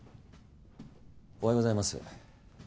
おはようございます。